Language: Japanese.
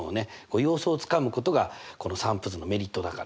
様子をつかむことがこの散布図のメリットだから。